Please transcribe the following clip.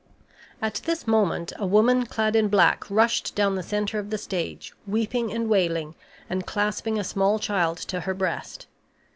At this moment a woman clad in black rushed down the center of the stage, weeping and wailing and clasping a small child to her breast.